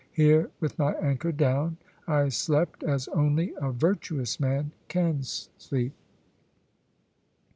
Here with my anchor down, I slept, as only a virtuous man can sleep.